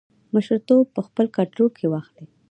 مشرتوب په خپل کنټرول کې واخلي.